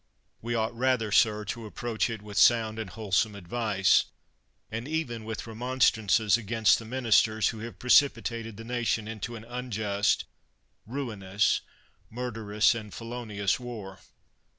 We ought rather, sir, to approach it with sound and wholesome advice, and even with remon strances, against the ministers who have pre cipitated the nation into an unjust, ruinous, murderous and felonious war.